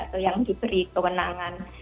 atau yang diberi kewenangan